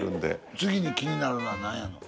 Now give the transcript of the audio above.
次に気になるのは何やの？